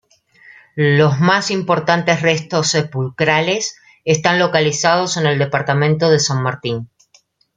Los más importantes restos sepulcrales están localizados en el departamento de San Martín.